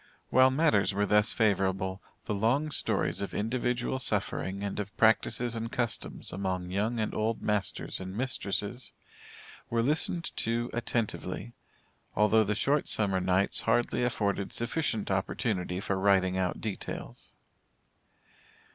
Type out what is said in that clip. While matters were thus favorable, the long stories of individual suffering and of practices and customs among young and old masters and mistresses, were listened to attentively, although the short summer nights hardly afforded sufficient opportunity for writing out details.